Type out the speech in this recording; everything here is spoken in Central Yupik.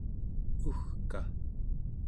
ugkaᵉ